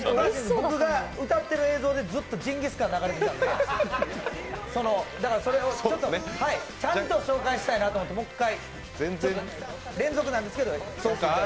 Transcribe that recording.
僕が歌っている映像でずっとジンギスカンが流れてたのでちゃんと紹介したいなと思ってもう一回、連続なんですけど。